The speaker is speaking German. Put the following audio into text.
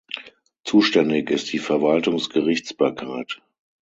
Zuständig ist die Verwaltungsgerichtsbarkeit.